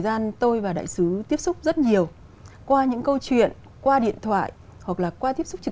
gian tôi và đại sứ tiếp xúc rất nhiều qua những câu chuyện qua điện thoại hoặc là qua tiếp xúc